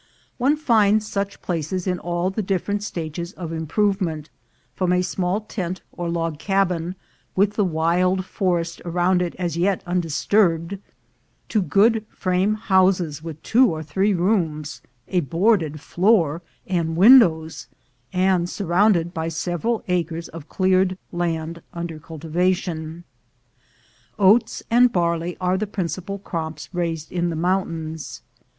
One finds such places in all the different stages of improvement, from a small tent or log cabin, with the wild forest around it as yet undis turbed, to good frame houses with two or three rooms, a boarded floor, and windows, and surrounded by several acres of cleared land under cultivation. Oats and barley are the principal crops raised in the mountains.